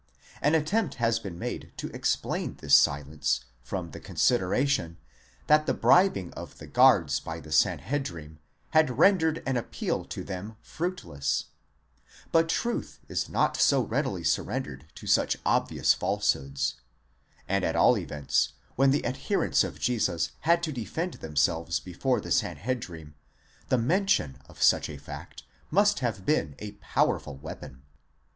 An attempt has been made to explain this silence from the consideration, that the bribing of the guards by the Sanhedrim had rendered an appeal to them fruitless :* but truth is not so readily surrendered to such obvious falsehoods, and at all events, when the adherents of Jesus had to defend themselves before the Sanhedrim, the men tion of such a fact must have been a powerful weapon.